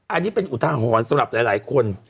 อันนี้เป็นอุทาหรณ์สำหรับหลายคน